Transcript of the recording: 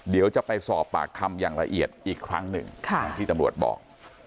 เดี๋ยวจะไปสอบปากคำอย่างละเอียดอีกครั้งหนึ่งที่ตำรวจบอก